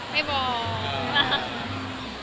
ไม่บอก